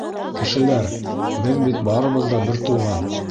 — Кешеләр, беҙ бит барыбыҙ ҙа бер туған.